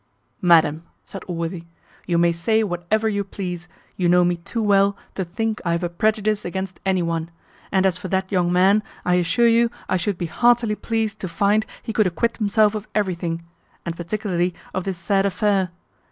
"Madam," said Allworthy, "you may say whatever you please, you know me too well to think I have a prejudice against any one; and as for that young man, I assure you I should be heartily pleased to find he could acquit himself of everything, and particularly of this sad affair.